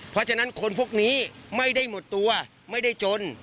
เพราะฉะนั้นคนพวกนี้ไม่ได้หมดตัวไม่ได้จน